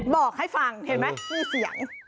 บอกให้ฟังเห็นมั้ยนี่เสียง